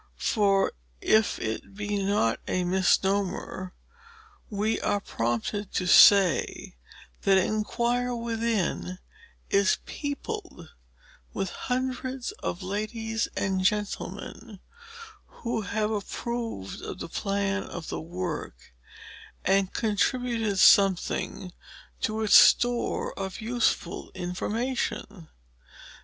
For, if it be not a misnomer, we are prompted to say that "ENQUIRE WITHIN" is peopled with hundreds of ladies and gentlemen, who have approved of the plan of the work, and contributed something to its store of useful information.